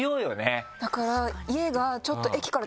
だから家が。